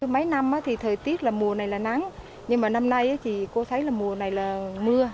mấy năm thì thời tiết là mùa này là nắng nhưng mà năm nay thì cô thấy là mùa này là mưa